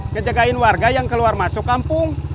ngejagain warga yang keluar masuk kampung